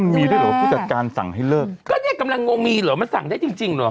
มีด้วยเหรอผู้จัดการสั่งให้เลิกก็เนี่ยกำลังงงมีเหรอมันสั่งได้จริงจริงเหรอ